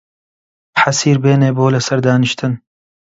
حەسیر بێنێ بۆ لە سەر دانیشتن